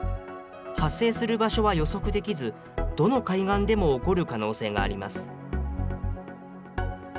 発生する場所は予測できず、どの海岸でも起こる可能性があります。